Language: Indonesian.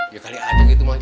ya kali ada gitu